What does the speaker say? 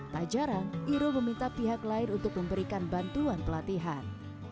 tak jarang iro meminta pihak lain untuk memberikan bantuan pelatihan